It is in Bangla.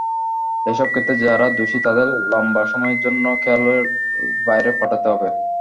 এসব ক্ষেত্রে যারা দোষী তাদের লম্বা সময়ের জন্য খেলার বাইরে পাঠাতে হবে।